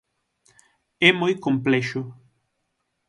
É moi complexo.